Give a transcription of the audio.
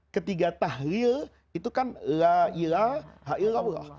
ketiga tahlil itu kan la ilah haillallah